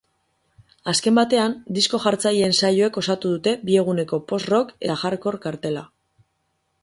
Azken batean, disko-jartzaileen saioek osatu dute bi eguneko post-rock eta hardcore kartela.